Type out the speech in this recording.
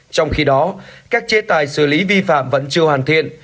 trong khi đó các chế tài xử lý vi phạm vẫn chưa hoàn thiện